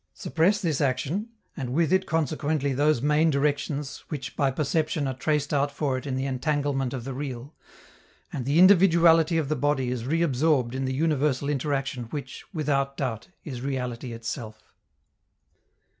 Suppress this action, and with it consequently those main directions which by perception are traced out for it in the entanglement of the real, and the individuality of the body is reabsorbed in the universal interaction which, without doubt, is reality itself.